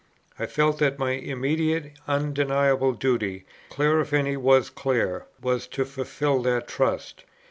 I felt that my immediate, undeniable duty, clear if any thing was clear, was to fulfil that trust.